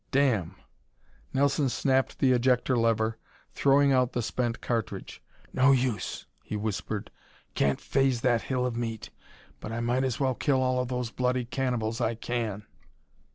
"Damn!" Nelson snapped the ejector lever, throwing out the spent cartridge. "No use," he whispered, "can't faze that hill of meat! But I might as well kill all of those bloody cannibals I can."